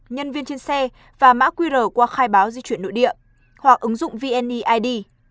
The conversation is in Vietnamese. nhân viên trên xe và mã qr qua khai báo di chuyển nội địa hoặc ứng dụng vneid